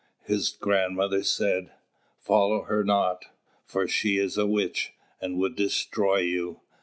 His grandmother said, "Follow her not, for she is a witch, and would destroy you."